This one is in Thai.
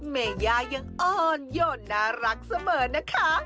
เมย่ายังอ่อนโยนน่ารักเสมอนะคะ